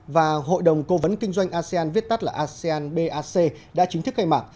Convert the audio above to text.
và hội đồng cố vấn kinh doanh asean viết tắt là asean bac đã chính thức khai mạc